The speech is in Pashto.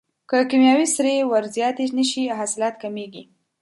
که کیمیاوي سرې ور زیاتې نشي حاصلات کمیږي.